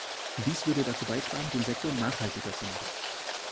Dies würde dazu beitragen, den Sektor nachhaltiger zu machen.